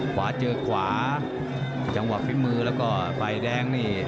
ขวาเจอขวาจังหวะฝีมือแล้วก็ฝ่ายแดงนี่